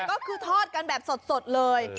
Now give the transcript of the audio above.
ก็คือทอดกันแบบสดเลย